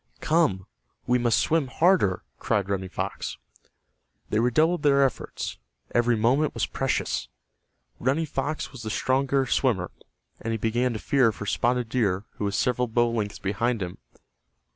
"Come, we must swim harder," cried Running Fox. They redoubled their efforts. Every moment was precious. Running Fox was the stronger swimmer, and he began to fear for Spotted Deer who was several bow lengths behind him.